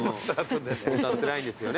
つらいんですよね